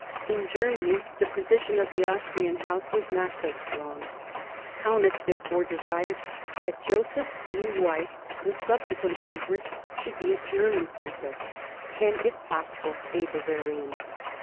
In Germany, the position of the Austrian House was not so strong. Kaunitz, therefore, desired that Joseph's new wife, the subsequent empress, should be a German princess, and 1758 65 DOMESTIC AFFAIRS 197 if possible a Bavarian.